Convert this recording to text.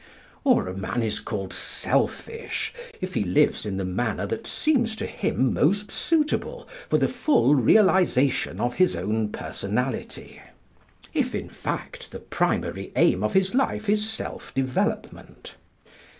Or a man is called selfish if he lives in the manner that seems to him most suitable for the full realisation of his own personality; if, in fact, the primary aim of his life is self development.